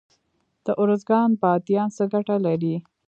د ارزګان بادیان څه ګټه لري؟